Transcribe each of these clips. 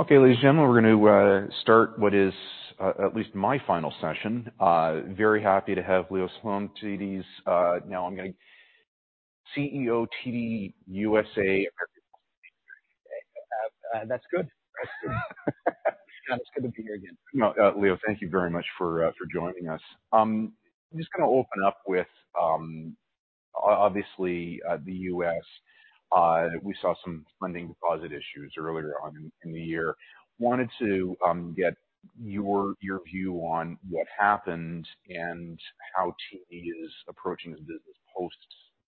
Okay, ladies and gentlemen, we're going to start what is at least my final session. Very happy to have Leo Salom, CEO, TD USA. That's good. It's good to be here again. Well, Leo, thank you very much for joining us. I'm just gonna open up with, obviously, the U.S. We saw some funding deposit issues earlier on in the year. Wanted to get your view on what happened and how TD is approaching this business post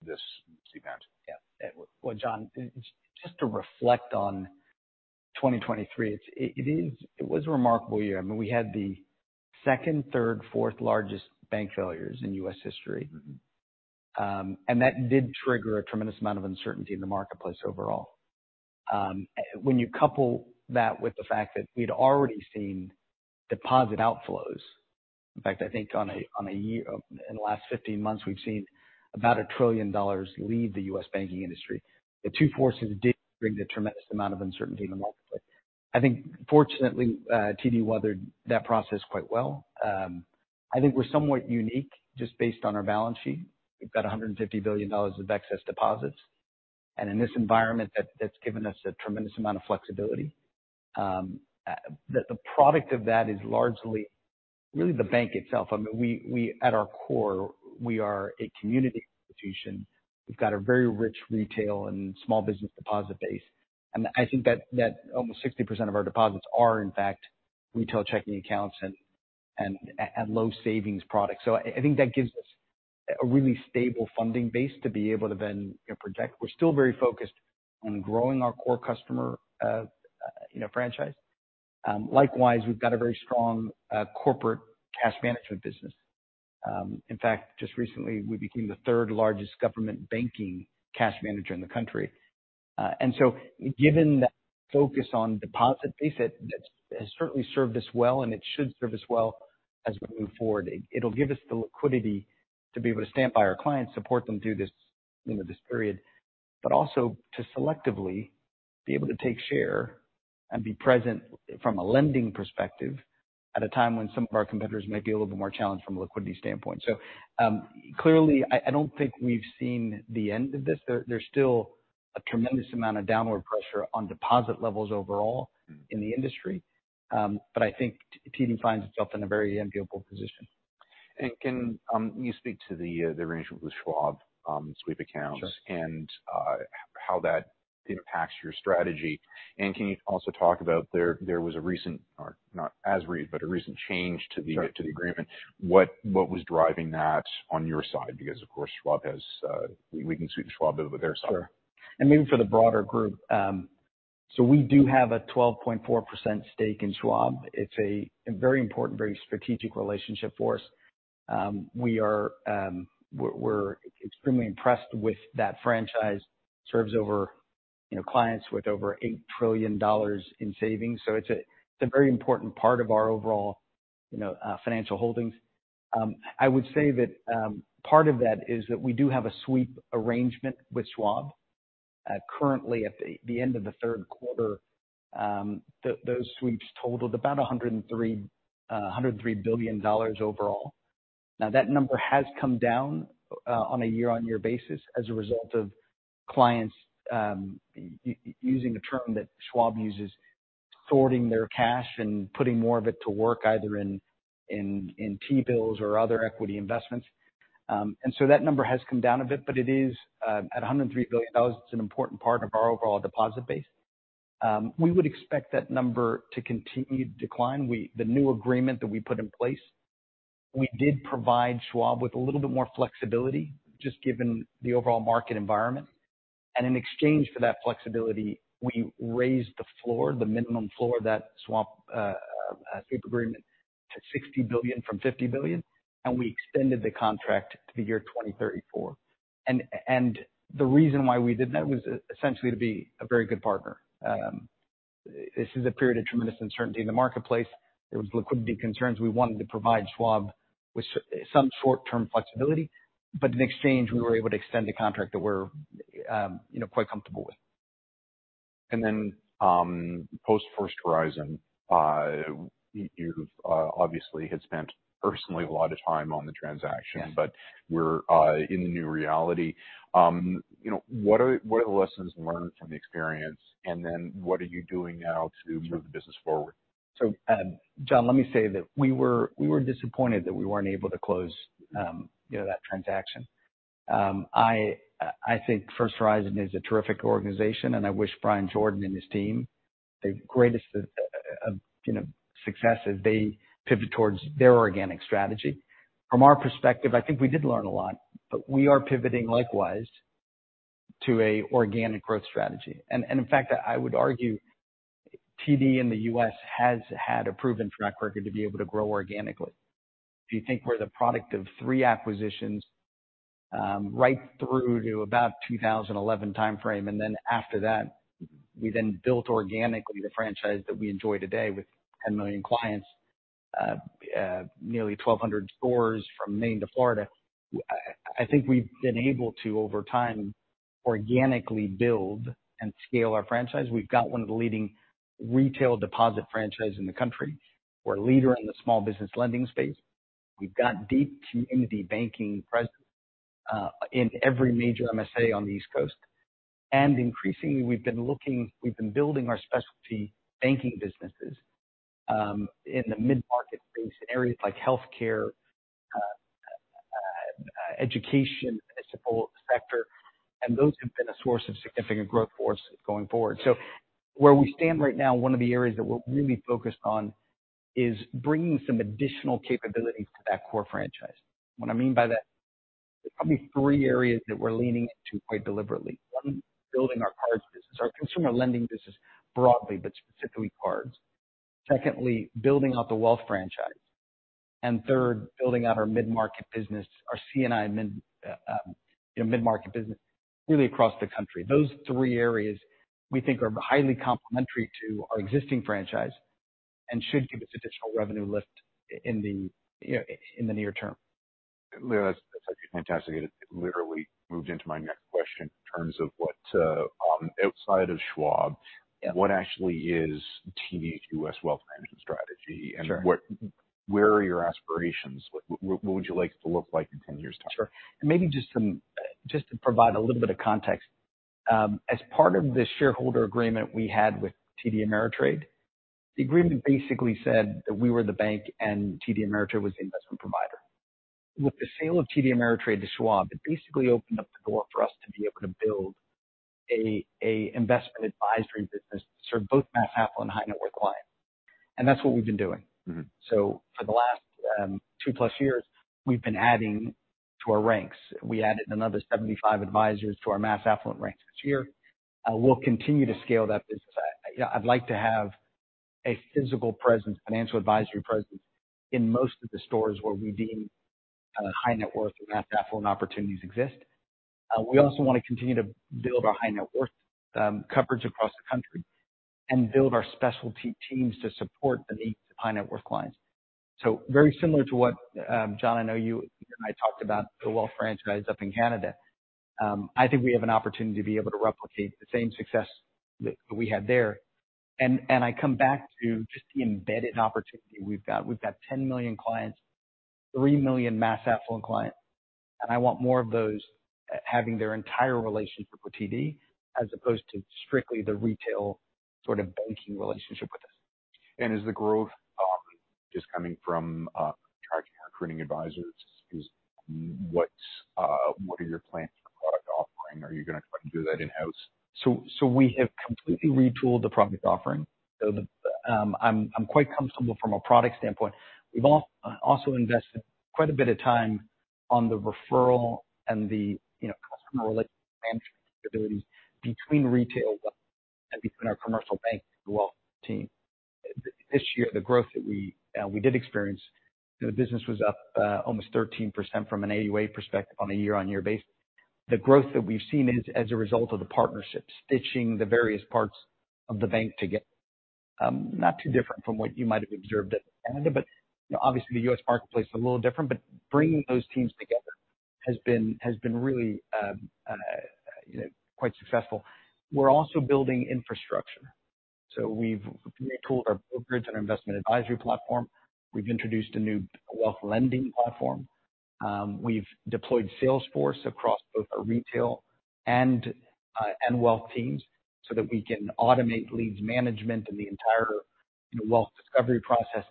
this event. Yeah. Well, John, just to reflect on 2023, it was a remarkable year. I mean, we had the second, third, fourth largest bank failures in U.S. history. And that did trigger a tremendous amount of uncertainty in the marketplace overall. When you couple that with the fact that we'd already seen deposit outflows, in fact, I think in the last 15 months, we've seen about $1 trillion leave the U.S. banking industry. The two forces did bring a tremendous amount of uncertainty in the marketplace. I think fortunately, TD weathered that process quite well. I think we're somewhat unique, just based on our balance sheet. We've got $150 billion of excess deposits, and in this environment, that's given us a tremendous amount of flexibility. The product of that is largely really the bank itself. I mean, at our core, we are a community institution. We've got a very rich retail and small business deposit base, and I think that almost 60% of our deposits are, in fact, retail checking accounts and low savings products. So I think that gives us a really stable funding base to be able to then protect. We're still very focused on growing our core customer, you know, franchise. Likewise, we've got a very strong corporate cash management business. In fact, just recently, we became the third-largest government banking cash manager in the country. And so given that focus on deposit base, that has certainly served us well, and it should serve us well as we move forward. It'll give us the liquidity to be able to stand by our clients, support them through this, you know, this period, but also to selectively be able to take share and be present from a lending perspective, at a time when some of our competitors might be a little bit more challenged from a liquidity standpoint. So, clearly, I, I don't think we've seen the end of this. There, there's still a tremendous amount of downward pressure on deposit levels overall-in the industry. But I think TD finds itself in a very enviable position. Can you speak to the arrangement with Schwab, sweep accounts. Sure. And, how that impacts your strategy? And can you also talk about, there was a recent, or not as recent, but a recent change to the. Sure. To the agreement. What, what was driving that on your side? Because, of course, Schwab has, we can sweep Schwab over their side. Sure. And maybe for the broader group. So we do have a 12.4% stake in Schwab. It's a very important, very strategic relationship for us. We're extremely impressed with that franchise. Serves over, you know, clients with over $8 trillion in savings. So it's a, it's a very important part of our overall, you know, financial holdings. I would say that, part of that is that we do have a sweep arrangement with Schwab. Currently, at the end of the third quarter, those sweeps totaled about $103 billion overall. Now, that number has come down on a year-over-year basis as a result of clients using a term that Schwab uses, sorting their cash and putting more of it to work, either in T-bills or other equity investments. And so that number has come down a bit, but it is at $103 billion, it's an important part of our overall deposit base. We would expect that number to continue to decline. The new agreement that we put in place, we did provide Schwab with a little bit more flexibility, just given the overall market environment. And in exchange for that flexibility, we raised the floor, the minimum floor, that Schwab sweep agreement, to $60 billion from $50 billion, and we extended the contract to the year 2034. The reason why we did that was essentially to be a very good partner. This is a period of tremendous uncertainty in the marketplace. There was liquidity concerns. We wanted to provide Schwab with some short-term flexibility, but in exchange, we were able to extend a contract that we're, you know, quite comfortable with. And then, post First Horizon, you've obviously have spent personally a lot of time on the transaction. Yeah. But we're in the new reality. You know, what are, what are the lessons learned from the experience? And then what are you doing now to move the business forward? So, John, let me say that we were disappointed that we weren't able to close, you know, that transaction. I think First Horizon is a terrific organization, and I wish Bryan Jordan and his team the greatest of success as they pivot towards their organic strategy. From our perspective, I think we did learn a lot, but we are pivoting likewise to an organic growth strategy. In fact, I would argue TD in the US has had a proven track record to be able to grow organically. If you think we're the product of three acquisitions, right through to about 2011 timeframe, and then after that, we built organically the franchise that we enjoy today with 10 million clients nearly 1,200 stores from Maine to Florida. I think we've been able to, over time, organically build and scale our franchise. We've got one of the leading retail deposit franchise in the country. We're a leader in the small business lending space. We've got deep community banking presence in every major MSA on the East Coast. And increasingly, we've been building our specialty banking businesses in the mid-market based areas like healthcare, education, municipal sector, and those have been a source of significant growth for us going forward. So where we stand right now, one of the areas that we're really focused on is bringing some additional capabilities to that core franchise. What I mean by that, there's probably three areas that we're leaning into quite deliberately. One, building our cards business, our consumer lending business broadly, but specifically cards. Secondly, building out the wealth franchise. Third, building out our mid-market business, our C&I mid, you know, mid-market business, really across the country. Those three areas we think are highly complementary to our existing franchise and should give us additional revenue lift in the, you know, in the near term. That's actually fantastic. It literally moved into my next question in terms of what, outside of Schwab. Yeah. What actually is TD's U.S. wealth management strategy? Sure. Where are your aspirations? What would you like it to look like in 10 years' time? Sure. And maybe just to provide a little bit of context. As part of the shareholder agreement we had with TD Ameritrade, the agreement basically said that we were the bank and TD Ameritrade was the investment provider. With the sale of TD Ameritrade to Schwab, it basically opened up the door for us to be able to build a investment advisory business to serve both mass affluent and high net worth clients. And that's what we've been doing. So for the last 2+ years, we've been adding to our ranks. We added another 75 advisors to our mass affluent ranks this year. We'll continue to scale that business. I, you know, I'd like to have a physical presence, financial advisory presence in most of the stores where we deem high net worth and mass affluent opportunities exist. We also want to continue to build our high net worth coverage across the country and build our specialty teams to support the needs of high net worth clients. So very similar to what, John, I know you and I talked about the wealth franchise up in Canada. I think we have an opportunity to be able to replicate the same success that we had there. And I come back to just the embedded opportunity we've got. We've got 10 million clients, 3 million mass affluent clients, and I want more of those having their entire relationship with TD as opposed to strictly the retail sort of banking relationship with us. Is the growth just coming from attracting or recruiting advisors? What are your plans for product offering? Are you going to try to do that in-house? So we have completely retooled the product offering. So I'm quite comfortable from a product standpoint. We've also invested quite a bit of time on the referral and the, you know, customer relationship abilities between retail wealth and between our commercial bank and wealth team. This year, the growth that we did experience, the business was up almost 13% from an AUA perspective on a year-on-year basis. The growth that we've seen is as a result of the partnerships, stitching the various parts of the bank together. Not too different from what you might have observed in Canada, but, you know, obviously, the U.S. marketplace is a little different. But bringing those teams together has been really, you know, quite successful. We're also building infrastructure. So we've retooled our brokerages and our investment advisory platform. We've introduced a new wealth lending platform. We've deployed Salesforce across both our retail and wealth teams so that we can automate leads management and the entire, you know, wealth discovery process.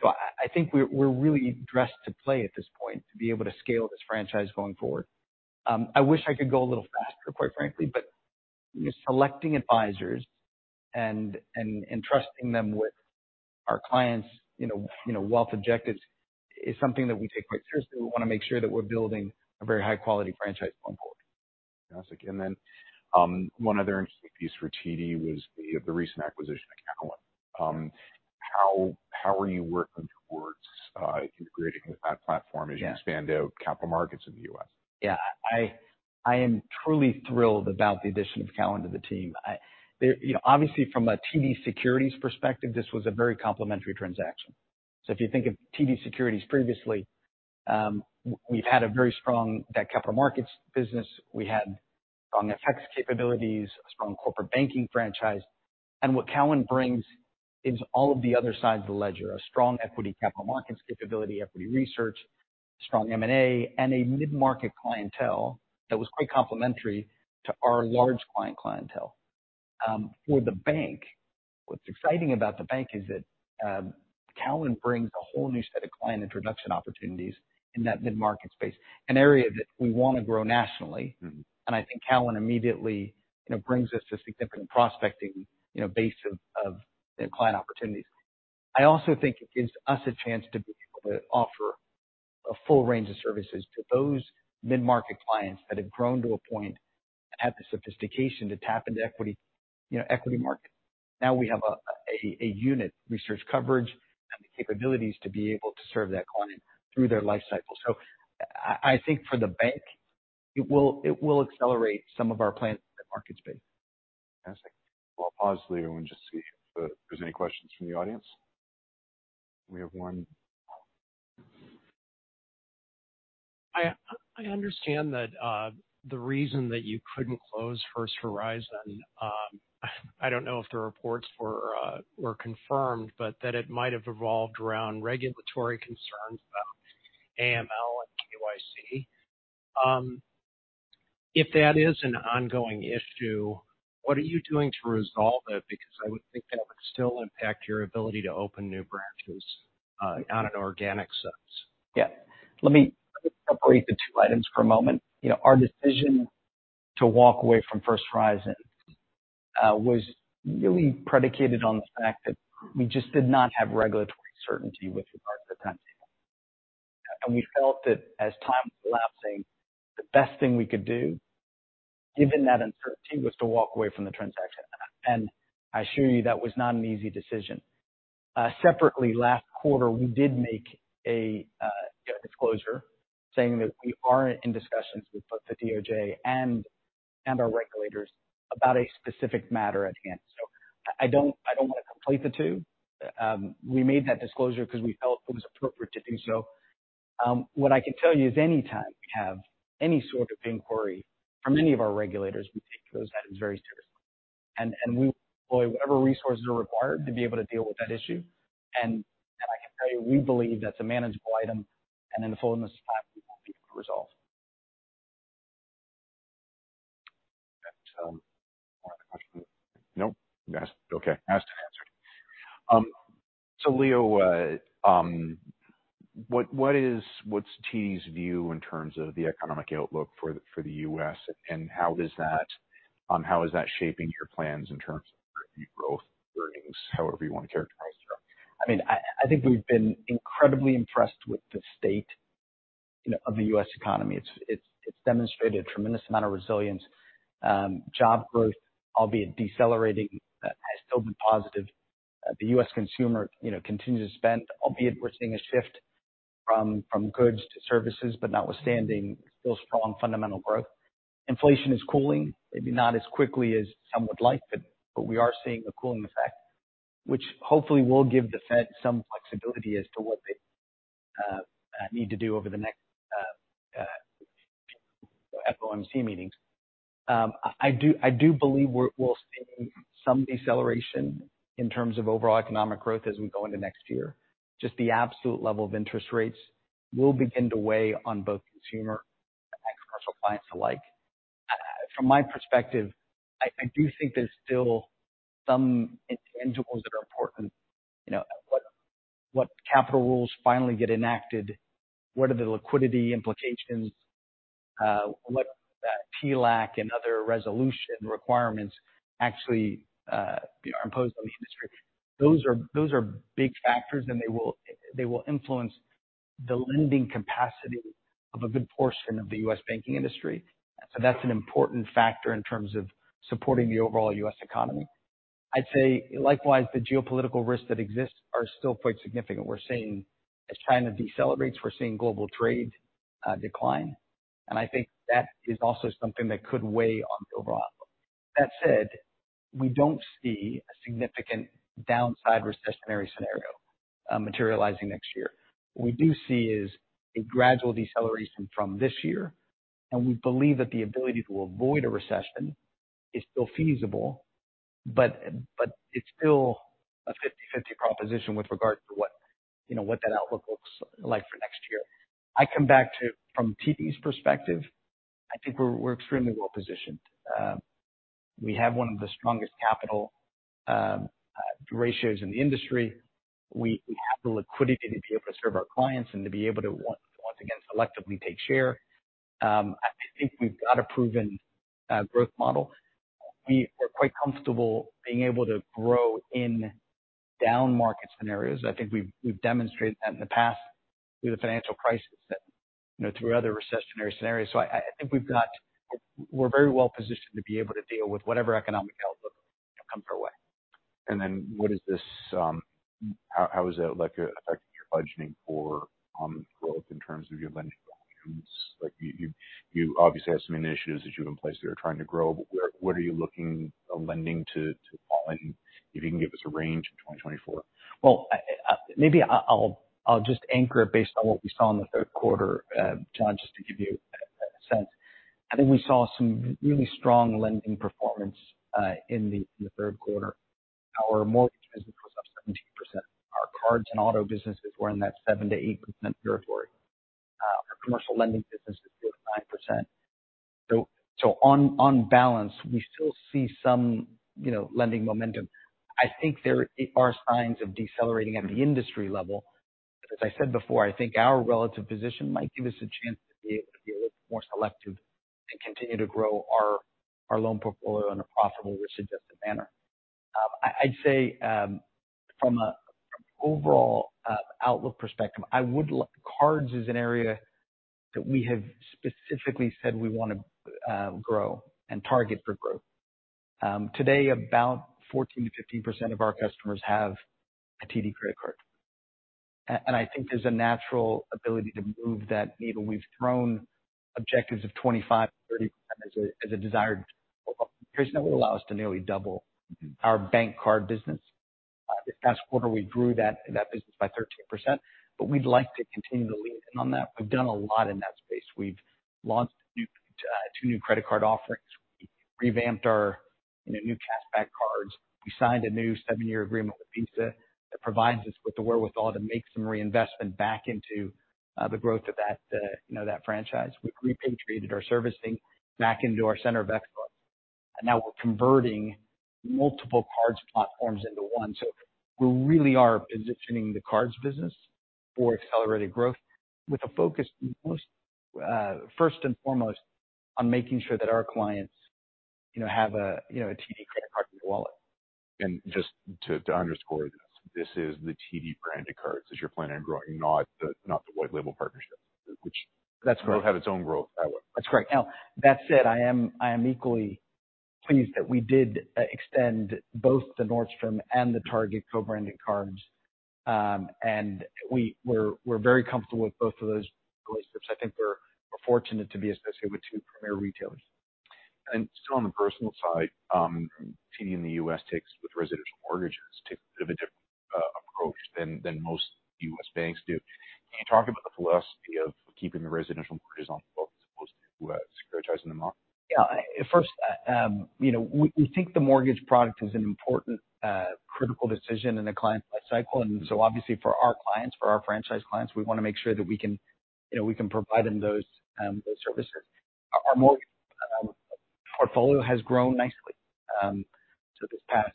So I think we're really dressed to play at this point, to be able to scale this franchise going forward. I wish I could go a little faster, quite frankly, but, you know, selecting advisors and trusting them with our clients', you know, wealth objectives is something that we take quite seriously. We want to make sure that we're building a very high-quality franchise going forward. And then, one other interesting piece for TD was the recent acquisition of Cowen. How are you working towards integrating with that platform? Yeah. As you expand out capital markets in the U.S.? Yeah, I am truly thrilled about the addition of Cowen to the team. You know, obviously, from a TD Securities perspective, this was a very complementary transaction. So if you think of TD Securities previously, we've had a very strong capital markets business. We had strong equity capabilities, a strong corporate banking franchise. And what Cowen brings is all of the other sides of the ledger, a strong equity capital markets capability, equity research, strong M&A, and a mid-market clientele that was quite complementary to our large client clientele. For the bank, what's exciting about the bank is that, Cowen brings a whole new set of client introduction opportunities in that mid-market space, an area that we want to grow nationally. I think Cowen immediately, you know, brings us a significant prospecting, you know, base of client opportunities. I also think it gives us a chance to be able to offer a full range of services to those mid-market clients that have grown to a point, have the sophistication to tap into equity, you know, equity market. Now we have a unit research coverage and the capabilities to be able to serve that client through their life cycle. So I think for the bank, it will accelerate some of our plans in the markets space. Fantastic. Well, I'll pause, Leo, and just see if there's any questions from the audience. We have one. I understand that the reason that you couldn't close First Horizon, I don't know if the reports were confirmed, but that it might have revolved around regulatory concerns about AML and KYC. If that is an ongoing issue, what are you doing to resolve it? Because I would think that would still impact your ability to open new branches on an organic sense. Yeah. Let me separate the two items for a moment. You know, our decision to walk away from First Horizon was really predicated on the fact that we just did not have regulatory certainty with regard to the timetable. And we felt that as time was lapsing, the best thing we could do, given that uncertainty, was to walk away from the transaction. And I assure you, that was not an easy decision. Separately, last quarter, we did make a disclosure saying that we are in discussions with both the DOJ and our regulators about a specific matter at hand. So I don't want to conflate the two. We made that disclosure because we felt it was appropriate to do so. What I can tell you is anytime we have any sort of inquiry from any of our regulators, we take those items very seriously, and we deploy whatever resources are required to be able to deal with that issue. I can tell you, we believe that's a manageable item, and in the fullness of time, we will be able to resolve. One other question. Nope. Okay, asked and answered. So, Leo, what's TD's view in terms of the economic outlook for the U.S., and how is that shaping your plans in terms of revenue growth, earnings, however you want to characterize it? I mean, I think we've been incredibly impressed with the state, you know, of the U.S. economy. It's demonstrated a tremendous amount of resilience. Job growth, albeit decelerating, has still been positive. The U.S. consumer, you know, continues to spend, albeit we're seeing a shift from goods to services, but notwithstanding, still strong fundamental growth. Inflation is cooling, maybe not as quickly as some would like, but we are seeing a cooling effect, which hopefully will give the Fed some flexibility as to what they need to do over the next FOMC meetings. I do believe we'll see some deceleration in terms of overall economic growth as we go into next year. Just the absolute level of interest rates will begin to weigh on both consumer and commercial clients alike. From my perspective, I do think there's still some intangibles that are important. You know, what capital rules finally get enacted? What are the liquidity implications? What TLAC and other resolution requirements actually are imposed on the industry? Those are big factors, and they will influence the lending capacity of a good portion of the U.S. banking industry. So that's an important factor in terms of supporting the overall U.S. economy. I'd say, likewise, the geopolitical risks that exist are still quite significant. We're seeing, as China decelerates, we're seeing global trade, decline, and I think that is also something that could weigh on the overall outlook. That said, we don't see a significant downside recessionary scenario, materializing next year. What we do see is a gradual deceleration from this year, and we believe that the ability to avoid a recession is still feasible, but it's still a 50/50 proposition with regard to what, you know, that outlook looks like for next year. I come back to, from TD's perspective, I think we're extremely well positioned. We have one of the strongest capital ratios in the industry. We have the liquidity to be able to serve our clients and to be able to once again, selectively take share. I think we've got a proven growth model. We are quite comfortable being able to grow in down market scenarios. I think we've demonstrated that in the past, through the financial crisis, you know, through other recessionary scenarios. I think we've got, we're very well positioned to be able to deal with whatever economic outlook come our way. What is this? How is that, like, affecting your budgeting for growth in terms of your lending volumes? Like, you obviously have some initiatives that you have in place that are trying to grow, but what are you looking for lending to fall, and if you can give us a range in 2024? Well, maybe I'll just anchor it based on what we saw in the third quarter, John, just to give you a sense. I think we saw some really strong lending performance in the third quarter. Our mortgage business was up 17%. Our cards and auto businesses were in that 7%-8% territory. Our commercial lending business is still at 9%. So, on balance, we still see some, you know, lending momentum. I think there are signs of decelerating at the industry level. But as I said before, I think our relative position might give us a chance to be a little more selective and continue to grow our loan portfolio in a profitable risk-adjusted manner. I'd say from overall outlook perspective, I would like—cards is an area that we have specifically said we want to grow and target for growth. Today, about 14%-15% of our customers have a TD credit card. I think there's a natural ability to move that needle. We've thrown objectives of 25, 30 as a desired result. That would allow us to nearly double our bank card business. This past quarter, we grew that business by 13%, but we'd like to continue to lean in on that. We've done a lot in that space. We've launched new two new credit card offerings. We revamped our, you know, new cash back cards. We signed a new seven-year agreement with Visa that provides us with the wherewithal to make some reinvestment back into, the growth of that, you know, that franchise. We've repatriated our servicing back into our center of excellence, and now we're converting multiple card platforms into one. So we really are positioning the cards business for accelerated growth with a focus, first and foremost, on making sure that our clients, you know, have a, you know, a TD credit card in their wallet. Just to underscore this, this is the TD branded cards that you're planning on growing, not the white label partnership, which. That's correct. Will have its own growth that way. That's correct. Now, that said, I am equally pleased that we did extend both the Nordstrom and the Target co-branded cards. And we're very comfortable with both of those relationships. I think we're fortunate to be associated with two premier retailers. Still on the personal side, TD in the U.S. takes with residential mortgages a bit of a different approach than most U.S. banks do. Can you talk about the philosophy of keeping the residential mortgages on the book as opposed to securitizing them out? Yeah. First, you know, we think the mortgage product is an important, critical decision in the client life cycle. And so obviously for our clients, for our franchise clients, we want to make sure that we can, you know, we can provide them those services. Our mortgage portfolio has grown nicely. So this past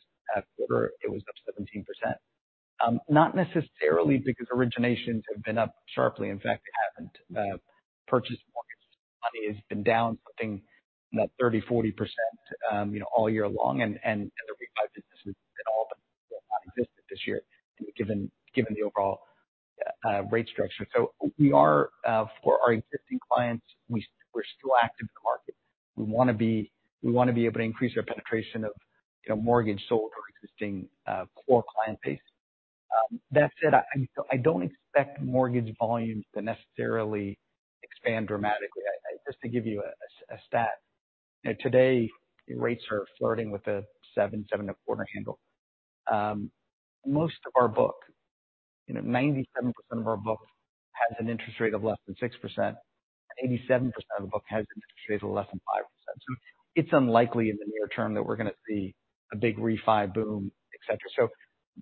quarter, it was up 17%. Not necessarily because originations have been up sharply. In fact, they haven't. Purchase mortgage money has been down something about 30%-40%, you know, all year long, and the refi business has been all but non-existent this year, given the overall rate structure. So we are, for our existing clients, we're still active in the market. We want to be able to increase our penetration of, you know, mortgage sold to our existing core client base. That said, I don't expect mortgage volumes to necessarily expand dramatically. Just to give you a stat, you know, today, rates are flirting with a 7, 7.25 handle. Most of our book, you know, 97% of our book has an interest rate of less than 6%. 87% of the book has interest rates of less than 5%. So it's unlikely in the near term that we're going to see a big refi boom, et cetera. So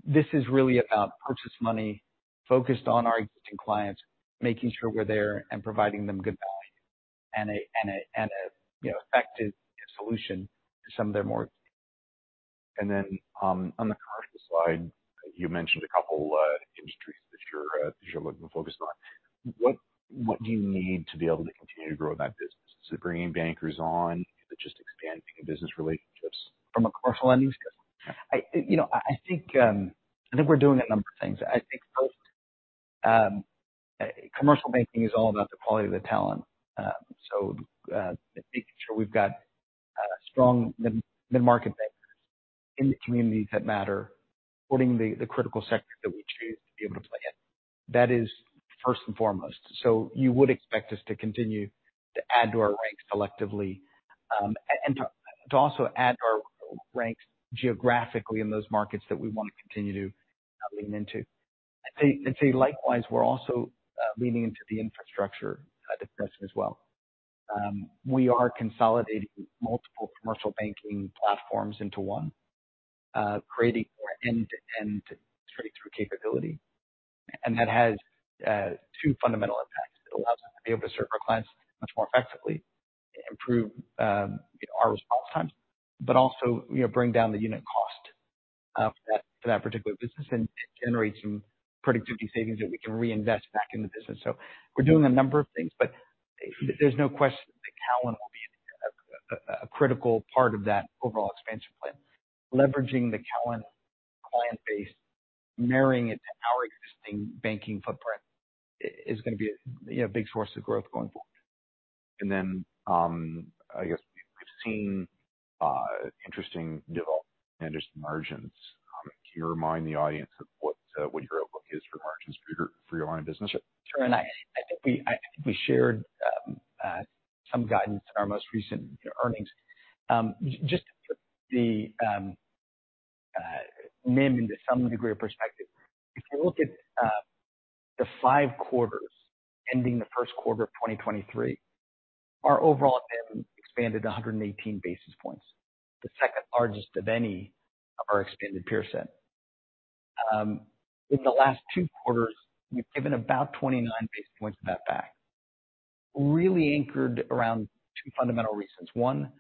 this is really about purchase money focused on our existing clients, making sure we're there and providing them good value and a, and a, you know, effective solution to some of their more. And then, on the commercial slide, you mentioned a couple industries that you're looking to focus on. What do you need to be able to continue to grow that business? Is it bringing bankers on, is it just expanding business relationships? From a commercial lending perspective? You know, I think we're doing a number of things. I think both commercial banking is all about the quality of the talent. So, making sure we've got strong mid-market bankers in the communities that matter, supporting the critical sectors that we choose to be able to play in. That is first and foremost. So you would expect us to continue to add to our ranks selectively, and to also add to our ranks geographically in those markets that we want to continue to lean into. I'd say likewise, we're also leaning into the infrastructure discussion as well. We are consolidating multiple commercial banking platforms into one, creating more end-to-end straight-through capability. And that has two fundamental impacts. It allows us to be able to serve our clients much more effectively, improve our response times, but also, you know, bring down the unit cost for that particular business and generate some productivity savings that we can reinvest back in the business. So we're doing a number of things, but there's no question that Cowen will be a critical part of that overall expansion plan. Leveraging the Cowen client base, marrying it to our existing banking footprint, is going to be a, you know, big source of growth going forward. I guess we've seen interesting developments in margins. Can you remind the audience of what, what your outlook is for margins for your, for your line of business? Sure, and I think we shared some guidance in our most recent earnings. Just to put the NIM into some degree of perspective, if you look at the five quarters ending the first quarter of 2023, our overall NIM expanded 118 basis points, the second largest of any of our expanded peer set. In the last two quarters, we've given about 29 basis points of that back, really anchored around two fundamental reasons. One,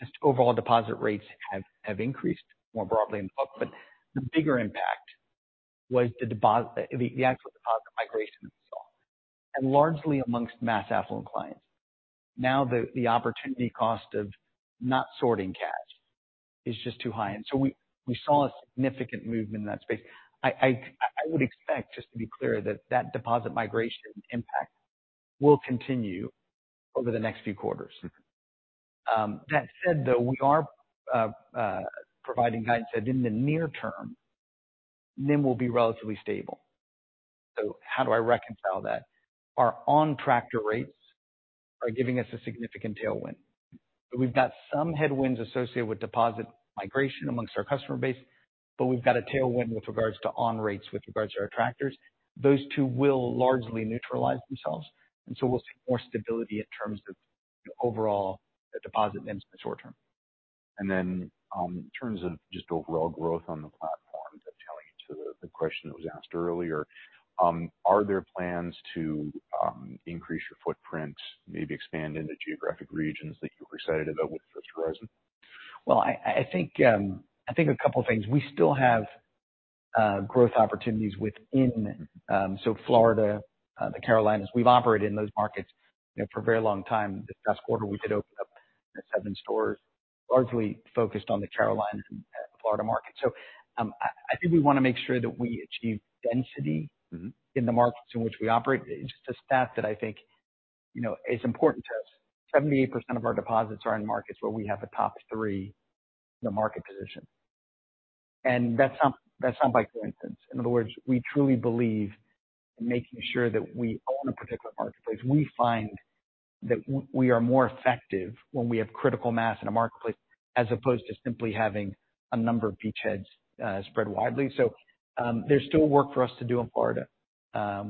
just overall deposit rates have increased more broadly in the book, but the bigger impact was the actual deposit migration that we saw, and largely among mass affluent clients. Now, the opportunity cost of not sorting cash is just too high, and so we saw a significant movement in that space. I would expect, just to be clear, that that deposit migration impact will continue over the next few quarters. That said, though, we are providing guidance that in the near term, NIM will be relatively stable. So how do I reconcile that? Our on tractor rates are giving us a significant tailwind. So we've got some headwinds associated with deposit migration among our customer base, but we've got a tailwind with regards to on rates with regards to our tractors. Those two will largely neutralize themselves, and so we'll see more stability in terms of overall deposit NIMs in the short term. And then, in terms of just overall growth on the platform, dovetailing to the question that was asked earlier, are there plans to increase your footprint, maybe expand into geographic regions that you're excited about with First Horizon? Well, I think a couple of things. We still have growth opportunities within Florida, the Carolinas. We've operated in those markets, you know, for a very long time. This past quarter, we did open up seven stores, largely focused on the Carolinas and Florida market. So, I think we want to make sure that we achieve density in the markets in which we operate. It's just a stat that I think, you know, is important to us. 78% of our deposits are in markets where we have the top-three in the market position. And that's not, that's not by coincidence. In other words, we truly believe in making sure that we own a particular marketplace. We find that we are more effective when we have critical mass in a marketplace, as opposed to simply having a number of beachheads, spread widely. So, there's still work for us to do in Florida.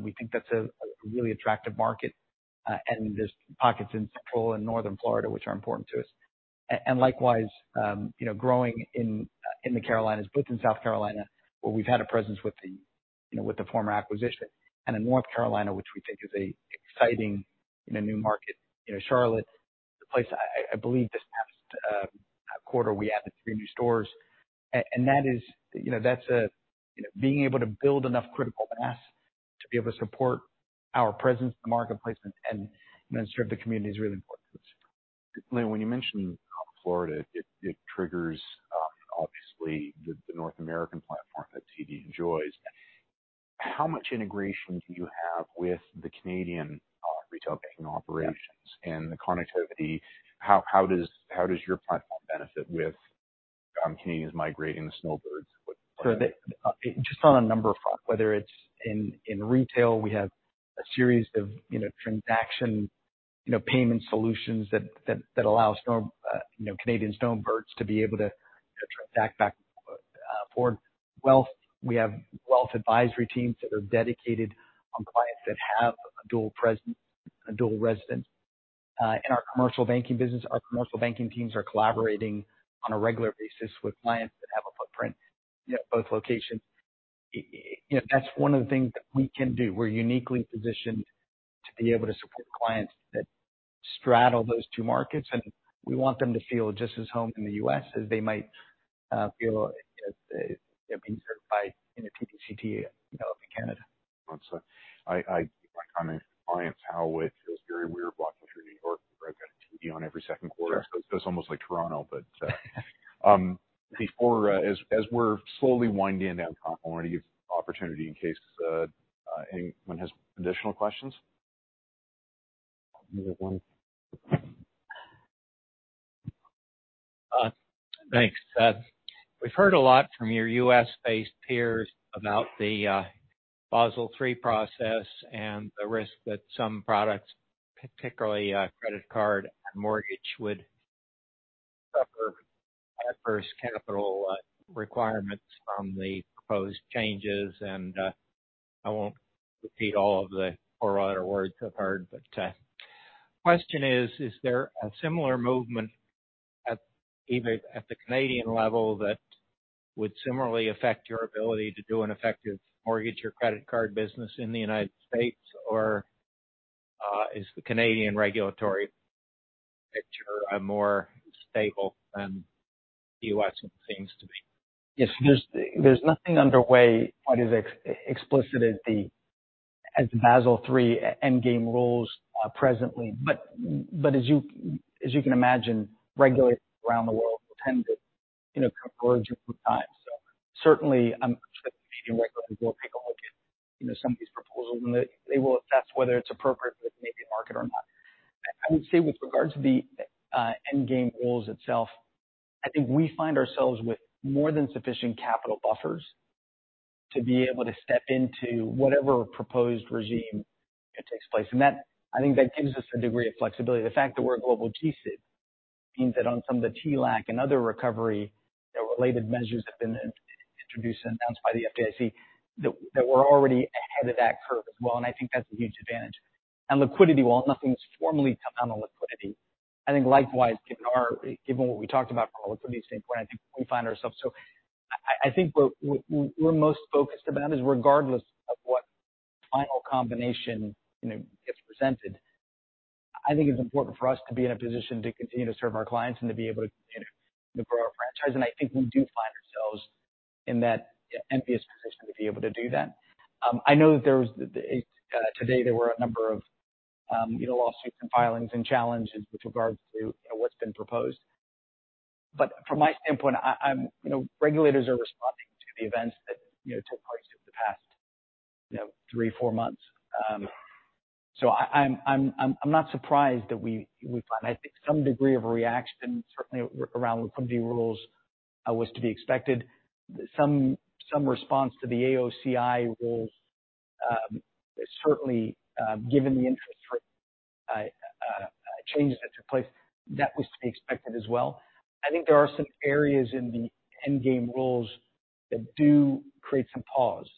We think that's a really attractive market, and there's pockets in Central and Northern Florida, which are important to us. And likewise, you know, growing in the Carolinas, both in South Carolina, where we've had a presence with the, you know, with the former acquisition, and in North Carolina, which we think is an exciting new market. You know, Charlotte, the place I believe this past quarter, we added three new stores. And that is, you know, that's, you know, being able to build enough critical mass to be able to support our presence in the marketplace and serve the community is really important to us. When you mention Florida, it triggers obviously the North American platform that TD enjoys. How much integration do you have with the Canadian retail banking operations and the connectivity? How does your platform benefit with Canadians migrating the snowbirds? What. So, just on a number of fronts, whether it's in retail, we have a series of, you know, transaction, you know, payment solutions that allow snowbirds, you know, Canadian snowbirds to be able to track back, forward. Wealth, we have wealth advisory teams that are dedicated on clients that have a dual presence, a dual residence. In our commercial banking business, our commercial banking teams are collaborating on a regular basis with clients that have a footprint in both locations. You know, that's one of the things that we can do. We're uniquely positioned to be able to support clients that straddle those two markets, and we want them to feel just as at home in the U.S. as they might feel as, you know, being served by, you know, TD Canada Trust in Canada. So, my Canadian clients, how it feels very weird walking through New York, where I've got a TD on every second quarter. Sure. Feels almost like Toronto. But before, as we're slowly winding down time, I want to give opportunity in case anyone has additional questions. Thanks. We've heard a lot from your U.S.-based peers about the Basel III process and the risk that some products, particularly, credit card and mortgage, would suffer adverse capital requirements from the proposed changes. And, I won't repeat all of the horror other words I've heard, but, question is: Is there a similar movement at even at the Canadian level, that would similarly affect your ability to do an effective mortgage or credit card business in the United States? Or, is the Canadian regulatory picture, more stable than the U.S. seems to be? Yes. There's nothing underway that is explicit as the Basel III Endgame rules presently. But as you can imagine, regulators around the world tend to, you know, converge over time. So certainly, the Canadian regulators will take a look at, you know, some of these proposals, and they will assess whether it's appropriate with maybe a market or not. I would say with regards to the Endgame rules itself, I think we find ourselves with more than sufficient capital buffers to be able to step into whatever proposed regime that takes place. And that. I think that gives us a degree of flexibility. The fact that we're a global G-SIB means that on some of the TLAC and other recovery, you know, related measures have been introduced and announced by the FDIC, that we're already ahead of that curve as well, and I think that's a huge advantage. And liquidity, while nothing's formally come out on liquidity, I think likewise, given what we talked about from a liquidity standpoint, I think we find ourselves. So I think what we're most focused about is, regardless of what final combination, you know, gets presented, I think it's important for us to be in a position to continue to serve our clients and to be able to, you know, grow our franchise. And I think we do find ourselves in that envious position to be able to do that. I know that there was, today there were a number of, you know, lawsuits and filings and challenges with regards to, you know, what's been proposed, but from my standpoint, you know, regulators are responding to the events that, you know, took place over the past, you know, three-four months. So I'm not surprised that we find, I think some degree of reaction, certainly around liquidity rules, was to be expected. Some response to the AOCI rules, certainly, given the interest rate changes that took place, that was to be expected as well. I think there are some areas in the endgame rules that do create some pause.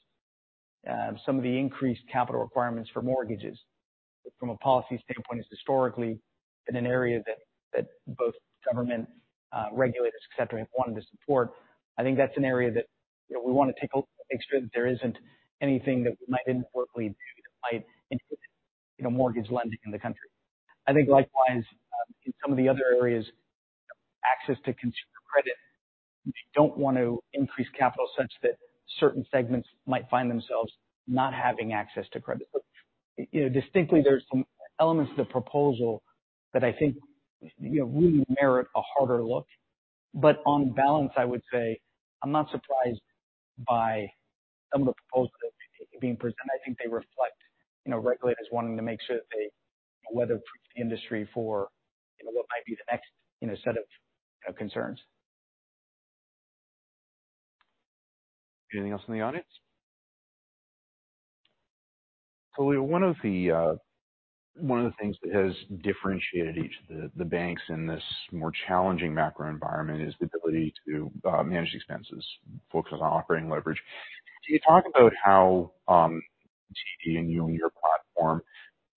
Some of the increased capital requirements for mortgages from a policy standpoint is historically been an area that both government regulators, et cetera, have wanted to support. I think that's an area that, you know, we want to take a look, make sure that there isn't anything that we might inadvertently do that might input in a mortgage lending in the country. I think likewise, in some of the other areas, access to consumer credit, we don't want to increase capital such that certain segments might find themselves not having access to credit. But, you know, distinctly, there's some elements of the proposal that I think, you know, really merit a harder look. But on balance, I would say I'm not surprised by some of the proposals that are being presented. I think they reflect, you know, regulators wanting to make sure that they weather-proof the industry for, you know, what might be the next, you know, set of concerns. Anything else from the audience? So one of the things that has differentiated each of the banks in this more challenging macro environment is the ability to manage expenses, focus on operating leverage. Can you talk about how TD and you and your platform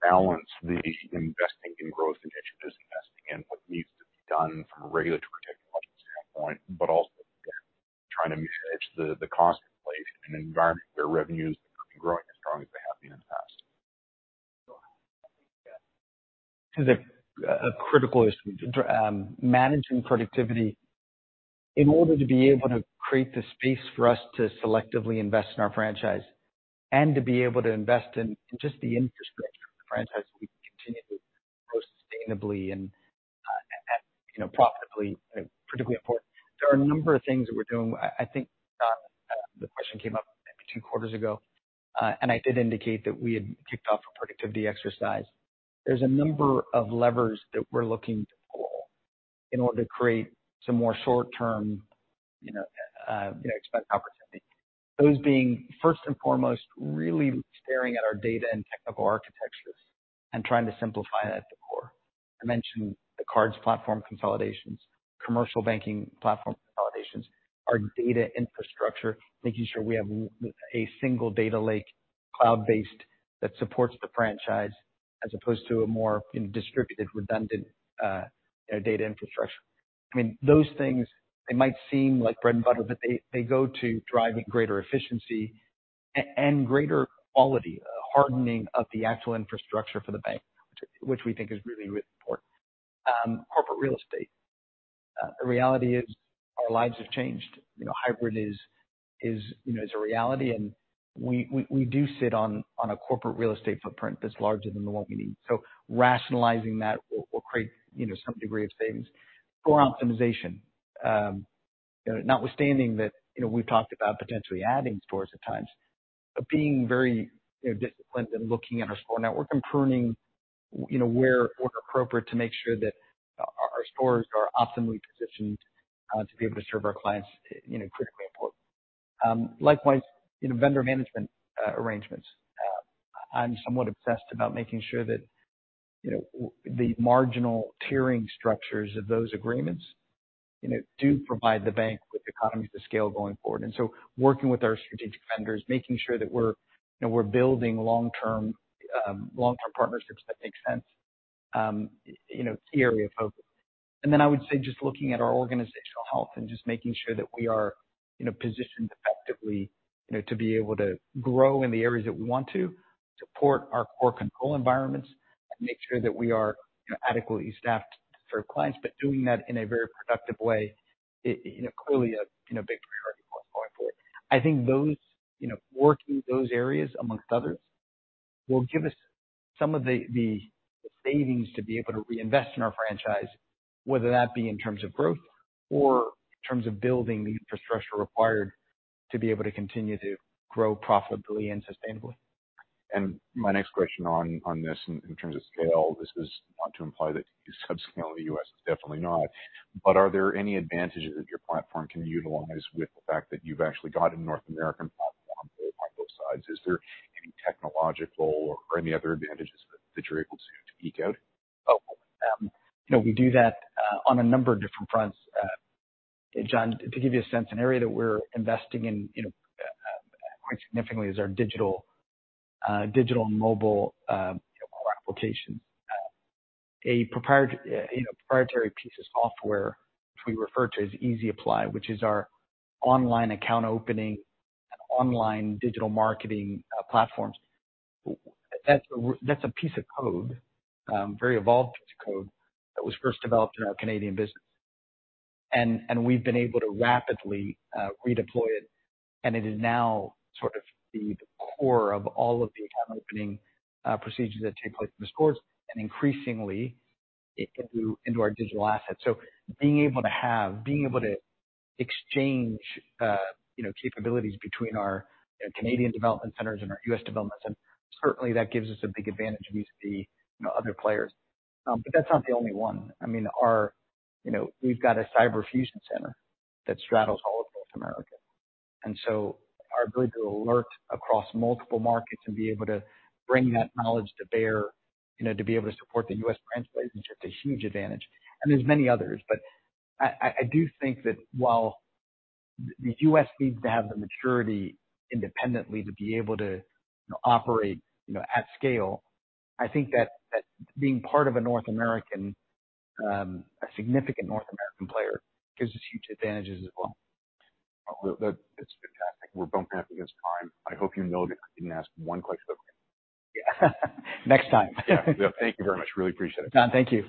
balance the investing in growth and business investing and what needs to be done from a regulatory standpoint, but also trying to manage the cost inflation in an environment where revenues aren't growing as strong as they have been in the past? Because a critical issue, managing productivity in order to be able to create the space for us to selectively invest in our franchise and to be able to invest in just the infrastructure of the franchise, we continue to grow sustainably and, and, you know, profitably, particularly important. There are a number of things that we're doing. I think, the question came up maybe two quarters ago, and I did indicate that we had kicked off a productivity exercise. There's a number of levers that we're looking to pull in order to create some more short-term, you know, expense opportunity. Those being first and foremost, really staring at our data and technical architectures and trying to simplify that at the core. I mentioned the card platform consolidations, commercial banking platform consolidations, our data infrastructure, making sure we have a single data lake, cloud-based, that supports the franchise, as opposed to a more distributed, redundant, data infrastructure. I mean, those things, they might seem like bread and butter, but they, they go to driving greater efficiency and greater quality, hardening of the actual infrastructure for the bank, which, which we think is really, really important. Corporate real estate. The reality is our lives have changed. You know, hybrid is, is, you know, is a reality, and we, we, we do sit on, on a corporate real estate footprint that's larger than the one we need. So rationalizing that will, will create, you know, some degree of savings. Core optimization. You know, notwithstanding that, you know, we've talked about potentially adding stores at times, but being very, you know, disciplined and looking at our store network and pruning, you know, where appropriate to make sure that our stores are optimally positioned, to be able to serve our clients, you know, critically important. Likewise, you know, vendor management arrangements. I'm somewhat obsessed about making sure that, you know, the marginal tiering structures of those agreements, you know, do provide the bank with economies of scale going forward. And so working with our strategic vendors, making sure that we're, you know, we're building long-term, long-term partnerships, that makes sense, you know, key area of focus. And then I would say, just looking at our organizational health and just making sure that we are, you know, positioned effectively, you know, to be able to grow in the areas that we want to, support our core control environments, and make sure that we are, you know, adequately staffed to serve clients, but doing that in a very productive way, it, you know, clearly a, you know, big priority going forward. I think those, you know, working those areas, amongst others, will give us some of the, the savings to be able to reinvest in our franchise, whether that be in terms of growth or in terms of building the infrastructure required to be able to continue to grow profitably and sustainably. My next question on, on this, and in terms of scale, this is not to imply that you're subscale in the U.S., it's definitely not. But are there any advantages that your platform can utilize with the fact that you've actually got a North American platform on both sides? Is there any technological or any other advantages that, that you're able to, to eke out? Oh, you know, we do that on a number of different fronts. John, to give you a sense, an area that we're investing in, you know, quite significantly is our digital mobile application. A proprietary piece of software, which we refer to as Easy Apply, which is our online account opening and online digital marketing platforms. That's a piece of code, very evolved piece of code that was first developed in our Canadian business. And we've been able to rapidly redeploy it, and it is now sort of the core of all of the account opening procedures that take place in the stores. And increasingly, it can move into our digital assets. So being able to exchange, you know, capabilities between our Canadian development centers and our U.S. development centers, certainly that gives us a big advantage against the, you know, other players. But that's not the only one. I mean, our, you know, we've got a Cyber Fusion Center that straddles all of North America, and so our ability to alert across multiple markets and be able to bring that knowledge to bear, you know, to be able to support the U.S. franchise, is just a huge advantage. And there's many others, but I do think that while the U.S. needs to have the maturity independently to be able to operate, you know, at scale, I think that, that being part of a North American, a significant North American player gives us huge advantages as well. Well, that's fantastic. We're bumping up against time. I hope you know that I didn't ask one question about it. Yeah. Next time. Yeah. Thank you very much. Really appreciate it. John, thank you.